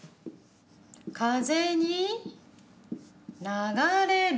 「風」に「流」れる。